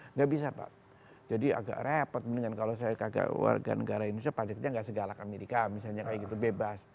nggak bisa pak jadi agak repot mendingan kalau saya kagak warga negara indonesia pajaknya nggak segala ke amerika misalnya kayak gitu bebas